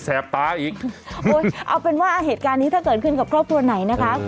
แปบตาอีกโอ้ยเอาเป็นว่าเหตุการณ์นี้ถ้าเกิดขึ้นกับครอบครัวไหนนะคะ